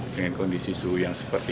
dengan kondisi suhu yang jatuh sakit